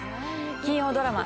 金曜ドラマ